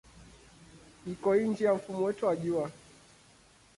Iko nje ya mfumo wetu wa Jua.